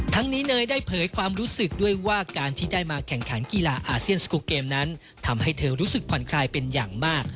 ทั้งนี้เนยได้เผยความรู้สึกด้วยว่าการที่ได้มาแข่งขันกีฬาอาเซียนสกุลเกมนั้นทำให้เธอรู้สึกผ่อนคลายเป็นอย่างมาก